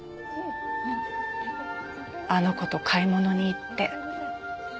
あの子と買い物に行って。